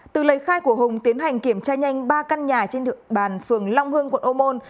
từ lời khai của hùng tiến hành kiểm tra nhanh ba căn nhà trên địa bàn phường long hưng quận ô môn